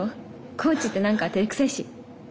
コーチってなんかてれくさいし。